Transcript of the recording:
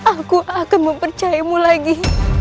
aku akan mempercayamu lagi